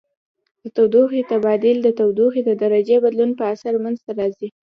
د تودوخې تبادل د تودوخې د درجې بدلون په اثر منځ ته راځي.